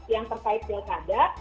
yang terkait pilkada